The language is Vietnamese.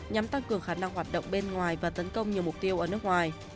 nhằm tăng cường khả năng hoạt động bên ngoài và tấn công nhiều mục tiêu ở nước ngoài